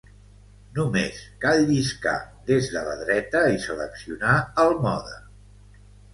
Només cal lliscar des de la dreta i seleccionar el mode.